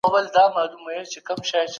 د هرې موضوع لپاره منطقي دلیل ولټوئ.